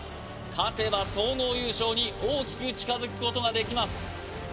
勝てば総合優勝に大きく近づくことができます